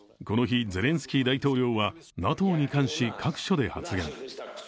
この日、ゼレンスキー大統領はＮＡＴＯに関し各所で発言。